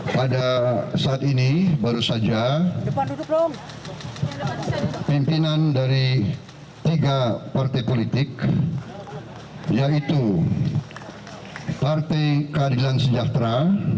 pada saat ini baru saja pimpinan dari tiga partai politik yaitu partai keadilan sejahtera